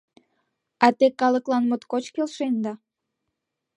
— А те калыклан моткоч келшенда.